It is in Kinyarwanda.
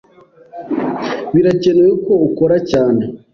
Birakenewe ko ukora cyane.